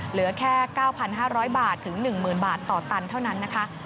เหลือแค่๙๕๐๐บาทถึง๑๐๐๐บาทต่อตันเท่านั้นนะคะ